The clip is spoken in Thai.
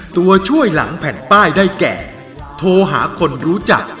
ตัวช่วยหลังแผ่นป้ายได้แก่โทรหาคนรู้จัก